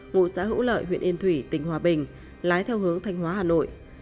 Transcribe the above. ngụ xã hữu lợi huyện yên thủy tỉnh hòa bình lái theo hướng thanh hóa hà nội